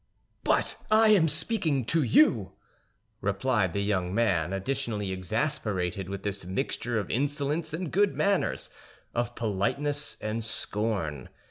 "But I am speaking to you!" replied the young man, additionally exasperated with this mixture of insolence and good manners, of politeness and scorn.